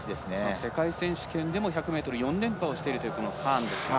世界選手権でも１００ｍ４連覇しているというハーンですが。